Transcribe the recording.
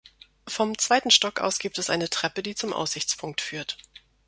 Vom zweiten Stock aus gibt es eine Treppe, die zum Aussichtspunkt führt.